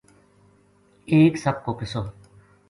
ایک سپ کو قصو